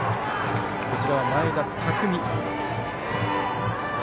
こちらは前田拓海。